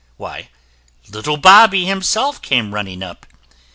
Why, little Bobby himself came running up.